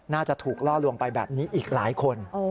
น่าจะถูกล่อลวงไปแบบนี้อีกหลายคน